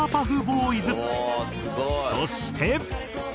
そして。